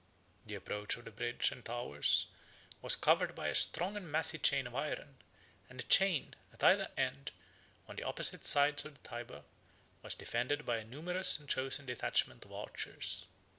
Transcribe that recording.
The approach of the bridge and towers was covered by a strong and massy chain of iron; and the chain, at either end, on the opposite sides of the Tyber, was defended by a numerous and chosen detachment of archers.